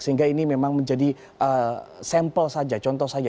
sehingga ini memang menjadi sampel saja contoh saja